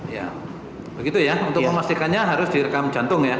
ya begitu ya untuk memastikannya harus direkam jantung ya